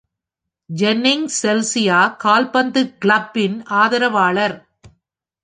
Jennings Chelsea கால்பந்து கிளப்பின் ஆதரவாளர்.